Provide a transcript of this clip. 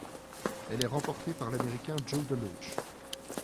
Elle est remportée par l'Américain Joe DeLoach.